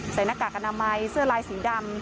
หน้ากากอนามัยเสื้อลายสีดำ